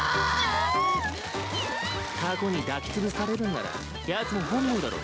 タコに抱きつぶされるんならやつも本望だろ。